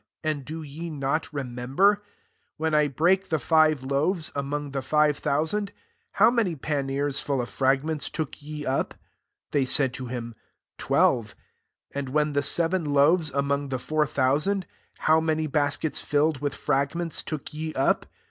and do ye not remember ? 19 When 1 brake the five loaves among the five thousand, how many panniers full of frag ments took ye up ?" They said to him, " Twelve.'* 20 " And when the seven loave§ among the four thousand ; how many bas kets iilled with fragments took ye up?